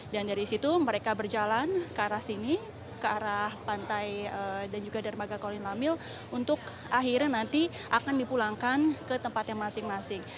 dan dari situ mereka berjalan ke arah sini ke arah pantai dan juga dermaga kolin lamil untuk akhirnya nanti akan dipulangkan ke tempat yang masing masing